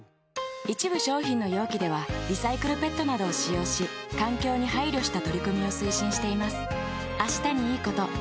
一部商品の容器ではリサイクルＰＥＴなどを使用し環境に配慮した取り組みを推進しています。